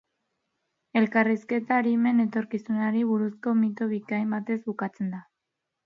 Elkarrizketa arimen etorkizunari buruzko mito bikain batez bukatzen da.